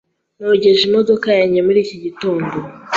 Nogeje imodoka yanjye muri iki gitondo.